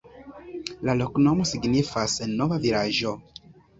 La loknomo signifas: nova vilaĝo.